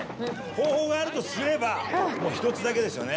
方法があるとすれば、もう一つだけですよね。